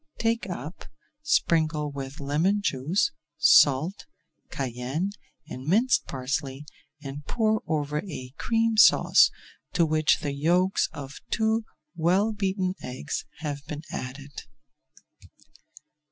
Take up, sprinkle [Page 342] with lemon juice, salt, cayenne, and minced parsley, and pour over a Cream Sauce, to which the yolks of two well beaten eggs have been added.